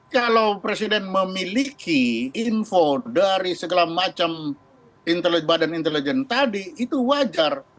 kalau presiden memiliki info dari segala macam badan intelijen tadi itu wajar